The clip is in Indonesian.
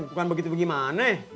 bukan begitu gimana ya